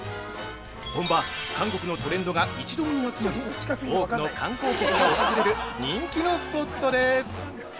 本場・韓国のトレンドが一堂に集まり、多くの観光客が訪れる人気のスポットです。